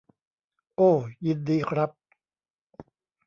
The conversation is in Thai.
โอ้ ยินดีครับ